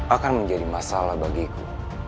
akan menjadi masalah bagiku